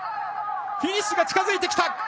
フィニッシュが近づいてきた！